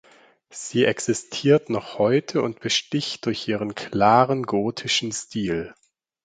Sie existiert noch heute und besticht durch ihren klaren gotischen Stil.